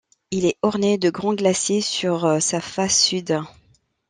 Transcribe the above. Il est orné de grands glaciers sur sa face sud.